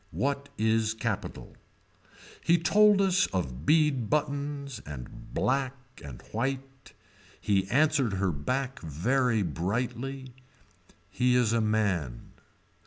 What is capitol. He told us of bead buttons and black and white. He answered her back very brightly. He is a man.